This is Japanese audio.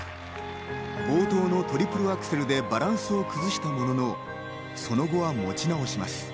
冒頭のトリプルアクセルでバランスを崩したものの、その後は持ち直します。